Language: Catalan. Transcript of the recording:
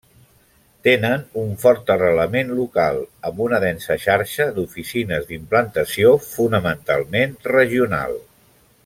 Tenen un fort arrelament local, amb una densa xarxa d'oficines d'implantació fonamentalment regional.